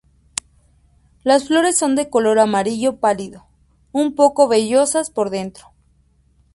Las flores son de color amarillo pálido, un poco vellosas por dentro.